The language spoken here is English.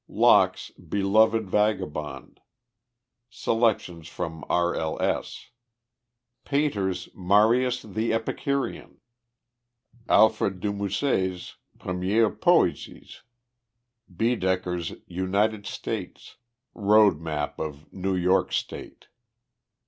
Locke's "Beloved Vagabond." Selections from R.L.S. Pater's "Marius the Epicurean." Alfred de Musset's "Premières Poésies." Baedeker's "United States." Road Map of New York State.